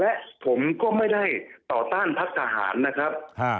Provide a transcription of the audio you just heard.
และผมก็ไม่ได้ต่อต้านพักทหารนะครับ